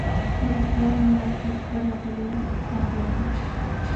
• ته د خیال نه واقعیت ته راغلې هدیه یې.